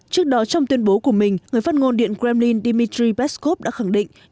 trước đó trong tuyên bố của mình người phát ngôn điện kremlin dmitry peskov đã khẳng định